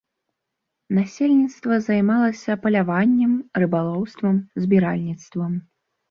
Насельніцтва займалася паляваннем, рыбалоўствам, збіральніцтвам.